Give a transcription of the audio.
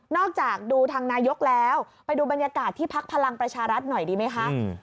จากดูทางนายกแล้วไปดูบรรยากาศที่พักพลังประชารัฐหน่อยดีไหมคะ